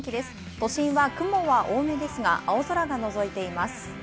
都心は雲は多めですが、青空がのぞいています。